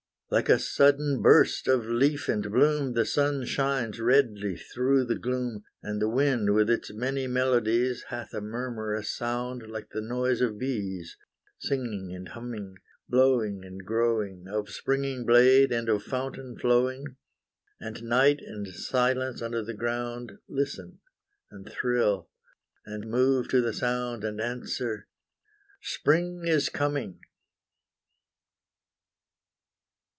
Like a sudden burst of leaf and bloom, The sun shines redly through the gloom, And the wind with its many melodies Hath a murmurous sound like the noise of bees, Singing and humming, blowing and growing, Of springing blade, and of fountain flowing; And night and silence under the ground Listen and thrill and move to the sound, And answer, Spring is coming!